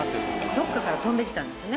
どこかから飛んできたんですね